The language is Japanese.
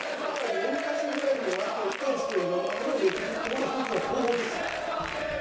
やっぱり４か所ぐらいに分けていろんなものを植えていくっていうのも一つの方法です。